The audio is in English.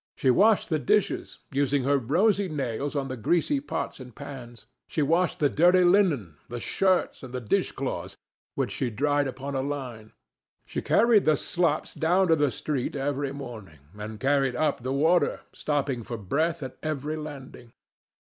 She washed the dishes, using her rosy nails on the greasy pots and pans. She washed the dirty linen, the shirts, and the dish cloths, which she dried upon a line; she carried the slops down to the street every morning, and carried up the water, stopping for breath at every landing.